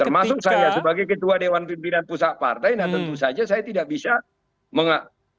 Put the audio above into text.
termasuk saya sebagai ketua dewan pimpinan pusat partai nah tentu saja saya tidak bisa mengatakan